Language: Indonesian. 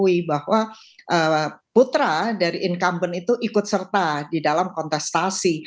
kita ketahui bahwa putra dari incumbent itu ikut serta di dalam kontestasi